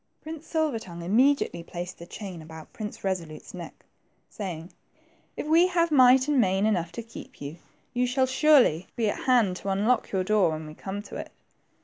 Prince Silver tongue immediately placed the chain about Prince Resolute's neck, saying, If we have might and main enough to keep you, you shall surely be at hand to unlock your door when we come to it."